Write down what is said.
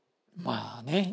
まあね。